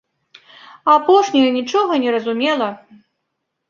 Апошняя нічога не разумела.